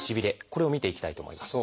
これを見ていきたいと思います。